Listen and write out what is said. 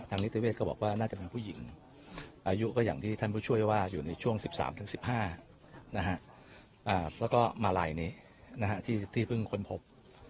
นิติเวศก็บอกว่าน่าจะเป็นผู้หญิงอายุก็อย่างที่ท่านผู้ช่วยว่าอยู่ในช่วง๑๓๑๕แล้วก็มาลัยนี้ที่เพิ่งค้นพบ